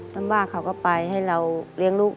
ลำบากเขาก็ไปให้เราเลี้ยงลูก